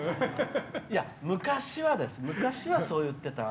昔はです、昔はそう言ってた。